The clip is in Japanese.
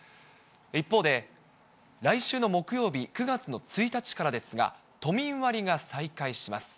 一方で、来週の木曜日９月の１日からですが、都民割が再開します。